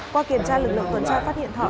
qua kiểm tra lực lượng tuần tra phát hiện thọ